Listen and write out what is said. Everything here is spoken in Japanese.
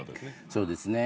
そうですね。